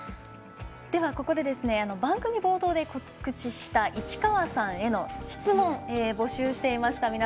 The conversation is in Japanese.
ここで番組冒頭で告知した市川さんへの質問募集していました。